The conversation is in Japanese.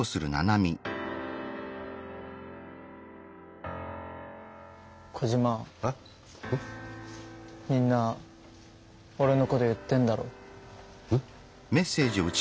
みんなオレのこと言ってんだろう？え？